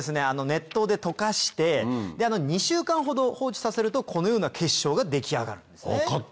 熱湯で溶かして２週間ほど放置させるとこのような結晶が出来上がるんですね。